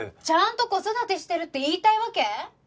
ちゃんと子育てしてるって言いたいわけ？